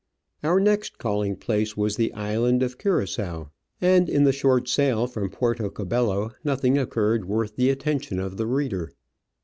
Our next calling place was the island of Cura^oa, and in the short sail from Puerto Cabello nothing occurred worth the attention of the reader.